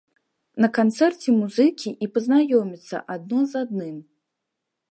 На канцэрце музыкі і пазнаёмяцца адно з адным.